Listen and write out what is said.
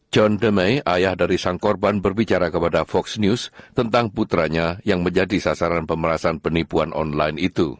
john damai ayah dari sang korban berbicara kepada fox news tentang putranya yang menjadi sasaran pemerasan penipuan online itu